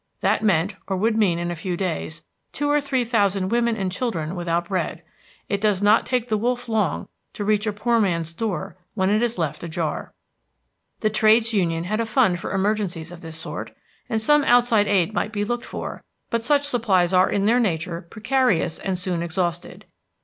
That meant, or would mean in a few days, two or three thousand women and children without bread. It does not take the wolf long to reach a poor man's door when it is left ajar. The trades union had a fund for emergencies of this sort, and some outside aid might be looked for; but such supplies are in their nature precarious and soon exhausted.